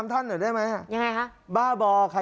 การเงินมันมีฝ่ายฮะ